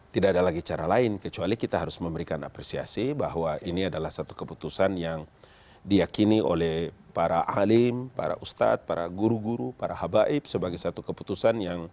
tidak ada lagi cara lain kecuali kita harus memberikan apresiasi bahwa ini adalah satu keputusan yang diakini oleh para alim para ustadz para guru guru para habaib sebagai satu keputusan yang